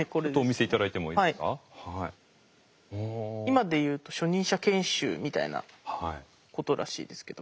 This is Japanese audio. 今で言うと初任者研修みたいなことらしいですけども。